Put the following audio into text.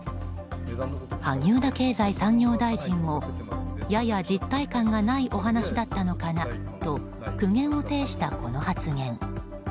萩生田経済産業大臣もやや実態感がないお話だったのかなと苦言を呈したこの発言。